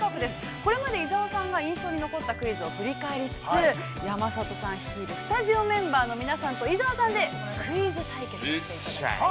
これまで伊沢さんが印象に残ったクイズを振り返りつつ、山里さん、率いるスタジオのメンバーで伊沢さんでクイズ対決です。